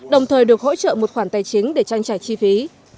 đồng thời được hỗ trợ một khoản tài chính để trang trải chi phí